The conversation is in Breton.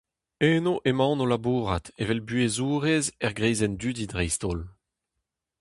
Eno emaon o labourat evel buhezourez er greizenn dudi dreist-holl.